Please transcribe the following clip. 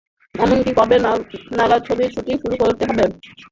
এমনকি কবে নাগাদ ছবির শুটিং শুরু হতে পারে, মেলেনি তারও কোনো ইঙ্গিত।